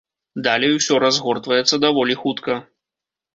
Далей усё разгортваецца даволі хутка.